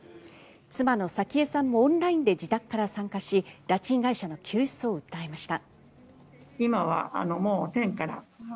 妻の早紀江さんもオンラインで自宅から参加し拉致被害者の救出を訴えました。